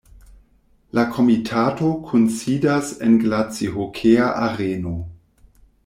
La komitato kunsidas en glacihokea areno.